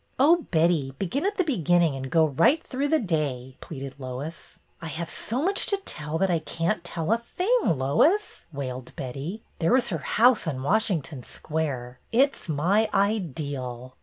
Oh, Betty, begin at the beginning and go right through the day," pleaded Lois. '' I have so much to tell that I can't tell a thing, Lois," wailed Betty. " There was her house on Washington Square. It 's my ideal."